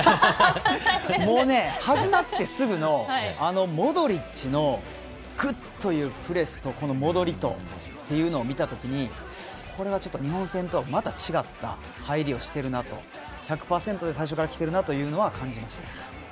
もう、始まってすぐのモドリッチのくっというプレスとこの戻りっていうのを見たときにこれは、日本戦とはまた違った入りをしてるなと１００％で最初からきてるなというのは感じました。